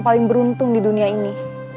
paling beruntung di dunia ini